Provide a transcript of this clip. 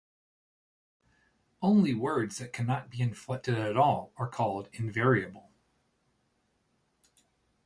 Only words that cannot be inflected at all are called "invariable".